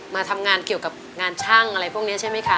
มาทำงานเกี่ยวกับงานช่างอะไรพวกนี้ใช่ไหมคะ